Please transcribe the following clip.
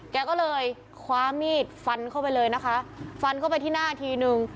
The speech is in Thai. แกก็เลยคว้ามีดฟันเข้าไปเลยนะคะฟันเข้าไปที่หน้าทีนึง